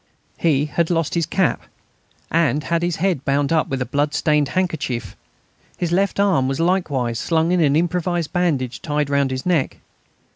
He had lost his cap, and had his head bound up with a blood stained handkerchief. His left arm was likewise slung in an improvised bandage tied round his neck.